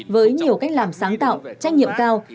với nhiều cách làm sáng tạo trách nhiệm cao